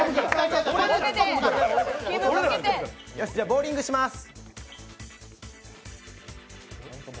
ボウリングします。